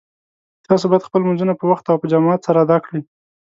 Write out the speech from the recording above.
تاسو باید خپل لمونځونه په وخت او په جماعت سره ادا کړئ